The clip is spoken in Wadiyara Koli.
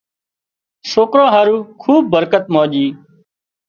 سوڪران هارو کوبٻ برڪت مانڄي